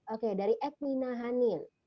oke dari edwina hanin